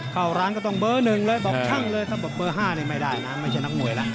เข้าร้านก่อนเบอร์๑เลยบอกช่างเลยแต่พอเบอร์๕นะไม่ได้นะไม่ใช่นักมวยละ